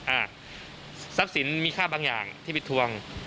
อ่ะทรัพย์สินมีค่าบางอย่างที่ไปทวง